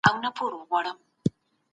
فساد د ژوند حق له منځه وړي.